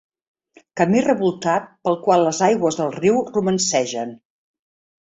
Camí revoltat pel qual les aigües del riu romancegen.